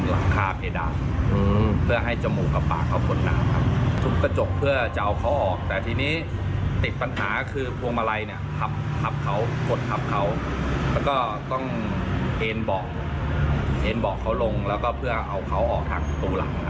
แล้วก็เพื่อเอาเขาออกถังตัวหลังครับ